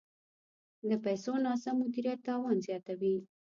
د پیسو ناسم مدیریت تاوان زیاتوي.